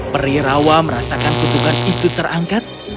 perirawa merasakan ketukar itu terangkat